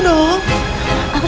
tidak saya takut